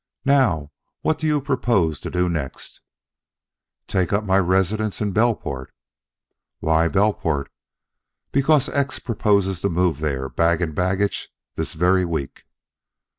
Now, what do you propose to do next?" "To take up my residence in Belport." "Why Belport?" "Because X proposes to move there, bag and baggage, this very week."